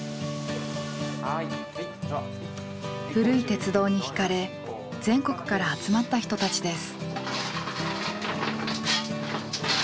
古い鉄道にひかれ全国から集まった人たちです。